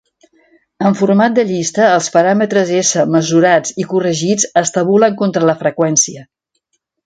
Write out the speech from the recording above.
En format de llista, els paràmetres S mesurats i corregits es tabulen contra la freqüència.